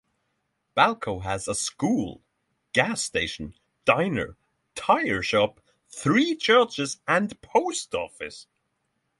Balko has a school, gas station, diner, tire shop, three churches and post office.